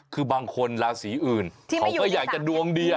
คือบางคนราศีอื่นเขาก็อยากจะดวงดี